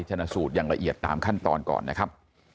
ชนะสูตรอย่างละเอียดตามขั้นตอนก่อนนะครับ